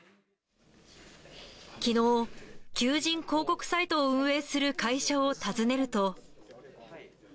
きのう、求人広告サイトを運営する会社を訪ねると。